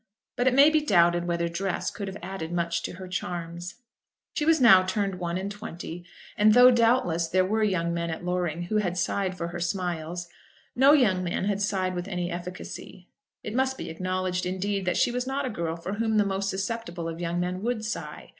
But it may be doubted whether dress could have added much to her charms. She was now turned one and twenty, and though, doubtless, there were young men at Loring who had sighed for her smiles, no young man had sighed with any efficacy. It must be acknowledged, indeed, that she was not a girl for whom the most susceptible of young men would sigh.